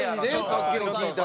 さっきの聞いたら。